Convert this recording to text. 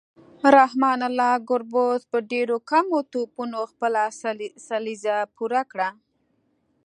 رحمان الله ګربز په ډیرو کمو توپونو خپله سلیزه پوره کړه